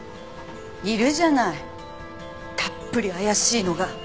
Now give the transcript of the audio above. いるじゃないたっぷり怪しいのが。